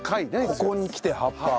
ここにきて葉っぱ。